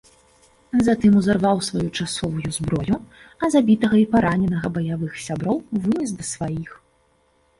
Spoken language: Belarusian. Затым узарваў сваю часовую зброю, а забітага і параненага баявых сяброў вынес да сваіх.